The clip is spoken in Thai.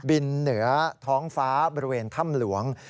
เหนือท้องฟ้าบริเวณถ้ำหลวง